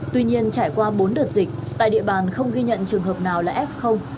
tuy nhiên trải qua bốn đợt dịch tại địa bàn không ghi nhận trường hợp nào là f